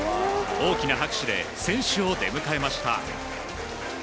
大きな拍手で選手を出迎えました。